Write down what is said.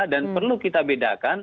dan perlu kita bedakan